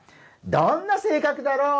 どんな性格だろう？